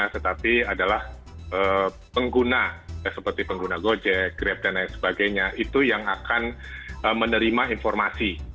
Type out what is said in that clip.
tetapi adalah pengguna seperti pengguna gojek grab dan lain sebagainya itu yang akan menerima informasi